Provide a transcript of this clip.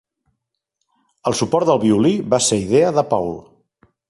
El suport del violí va ser idea de Paul.